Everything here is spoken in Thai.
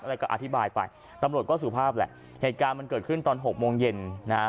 อะไรก็อธิบายไปตำรวจก็สุภาพแหละเหตุการณ์มันเกิดขึ้นตอนหกโมงเย็นนะฮะ